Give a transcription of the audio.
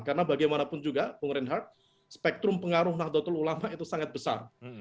karena bagaimanapun juga bung reinhardt spektrum pengaruh mahdlatul ulama itu sangat besar